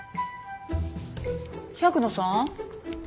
百野さん？